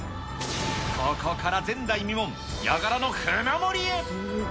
ここから前代未聞、ヤガラの舟盛りへ。